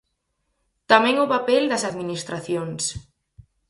Tamén o papel das Administracións.